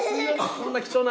こんな貴重な。